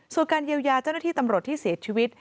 ส่วนการเยียวยาเจ้าหน้าที่ตำรวจที่เสียชีวิต